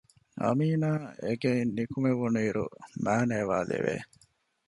އާމިނާއަށް އެގެއިން ނިކުމެވުނު އިރު މައިނޭވާ ލެވެ